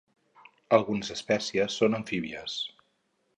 Algunes espècies són amfíbies.